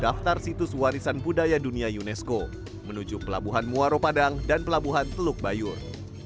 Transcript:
kota sawahlunto adalah sebuah perusahaan yang berwarisan budaya dunia unesco menuju pelabuhan muaropadang dan pelabuhan teluk bayur